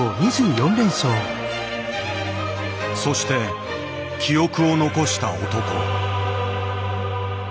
そして記憶を残した男。